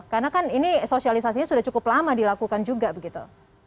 karena kan ini sosialisasinya sudah cukup lama dilakukan juga begitu